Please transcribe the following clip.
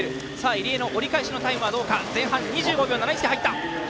入江の折り返しのタイム前半２５秒７１で入った。